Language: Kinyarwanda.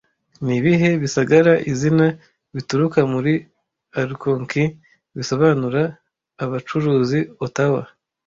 Nibihe bisagara izina bituruka muri Algonquin bisobanura abacuruzi Ottawa